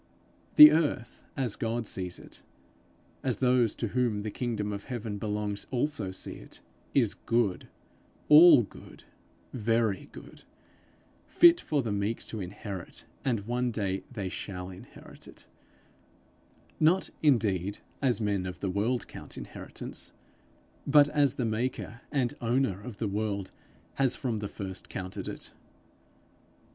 The earth as God sees it, as those to whom the kingdom of heaven belongs also see it, is good, all good, very good, fit for the meek to inherit; and one day they shall inherit it not indeed as men of the world count inheritance, but as the maker and owner of the world has from the first counted it.